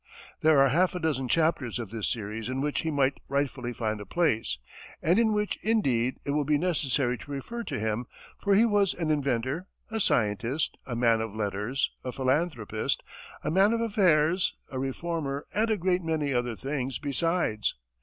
There are half a dozen chapters of this series in which he might rightfully find a place, and in which, indeed, it will be necessary to refer to him, for he was an inventor, a scientist, a man of letters, a philanthropist, a man of affairs, a reformer, and a great many other things besides.